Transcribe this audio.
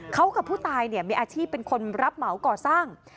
เขากับผู้ตายมีอาชีพเป็นคนรับเหมาก่อสร้าง